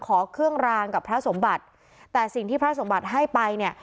ขอเครื่องรางกับพระสมบัติแต่สิ่งที่พระสมบัติให้ไปเนี่ย